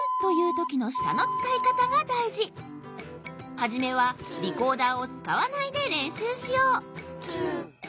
はじめはリコーダーをつかわないでれんしゅうしよう